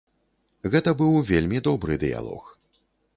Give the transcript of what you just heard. Гэта быў вельмі добры дыялог.